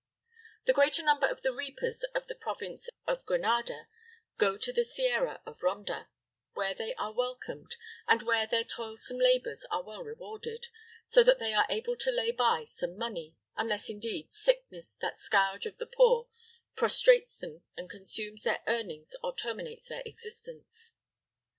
The greater number of the reapers of the province of Granada go to the sierra of Ronda, where they are welcomed, and where their toilsome labors are well rewarded, so that they are able to lay by some money, unless indeed sickness, that scourge of the poor, prostrates them and consumes their earnings or terminates their existence.